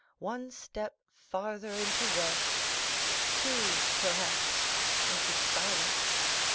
One step farther into rest,—two, perhaps, into silence.